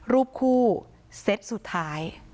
รูปคู่เซตสุดท้าย